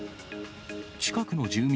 近くの住民